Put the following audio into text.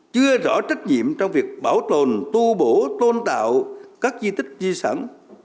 chưa rõ trách nhiệm trong việc bảo tồn tu bổ tôn tạo các di tích di sản